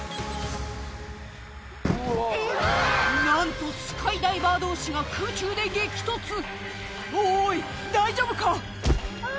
なんとスカイダイバー同士が空中で激突おい大丈夫か？